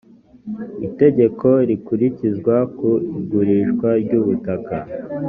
itegeko rikurikizwa ku igurishwa ry’ubutaka